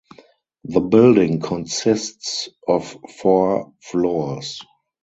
The building consists of four floors.